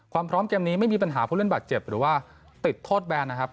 ความพร้อมเกมนี้ไม่มีปัญหาผู้เล่นบาดเจ็บหรือว่าติดโทษแบนนะครับ